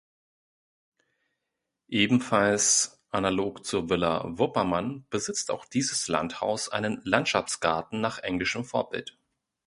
Ebenfalls analog zur Villa Wuppermann besitzt auch dieses Landhaus einen Landschaftsgarten nach englischem Vorbild.